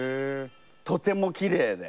とてもきれいで！